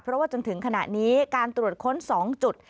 เพราะว่าจนถึงขณะนี้การตรวจค้น๒จุด